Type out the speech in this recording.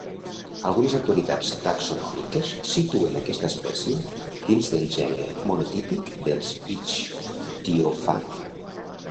Algunes autoritats taxonòmiques situen aquesta espècie dins del gènere monotípic dels Ichthyophaga.